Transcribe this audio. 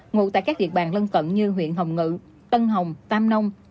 ngụ tại các địa bàn lân cận như huyện hồng ngự tân hồng tam nông